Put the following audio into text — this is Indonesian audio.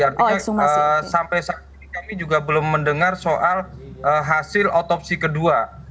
artinya sampai saat ini kami juga belum mendengar soal hasil otopsi kedua